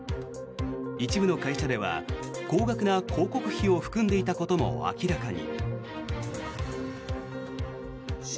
一部の会社では高額な広告費を含んでいたことも明らかに。